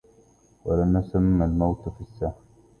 وَلْنُسَمِّ الموت في الساحة